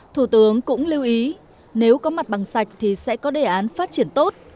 thủ tướng cũng lưu ý nếu có mặt bằng sạch thì sẽ có đề án phát triển tốt